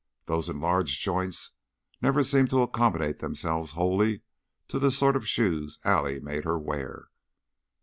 Those enlarged joints never seemed to accommodate themselves wholly to the sort of shoes Allie made her wear.